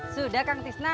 sudah kang tisna